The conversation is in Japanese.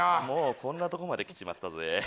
もうこんなとこまできちまったぜ。